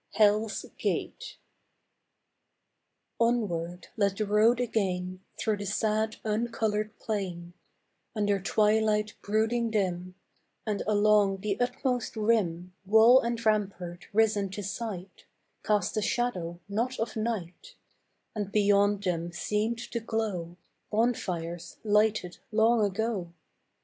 XXXI. HELL'S GATE Onward led the road again Through the sad uncoloured plain Under twilight brooding dim, And along the utmost rim Wall and rampart risen to sight Cast a shadow not of night, And beyond them seemed to glow Bonfires lighted long ago.